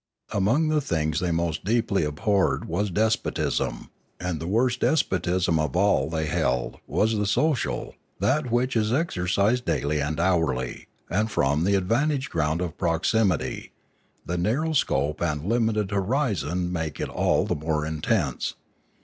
Among the things they most deeply abhorred was despotism. And the worst despotism of all, they held, was the social, that which is exercised daily and hourly, and from the vantage ground of proximity; the narrow scope and limited horizon make it all the more intense.